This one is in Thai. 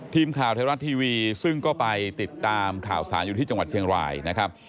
ทีมข่าวไทยรัฐทีวีซึ่งก็ไปติดตามข่าวสารอยู่ที่จังหวัดเชียงรายนะครับ